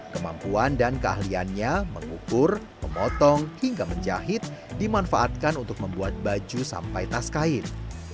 kemampuan dan keahliannya mengukur memotong hingga menjahit dimanfaatkan untuk membuat baju sampai tas kain